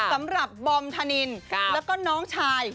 สำหรับบอมธนินแล้วก็น้องชาย